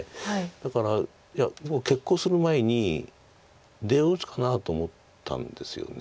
だからいや決行する前に出を打つかなと思ったんですよね。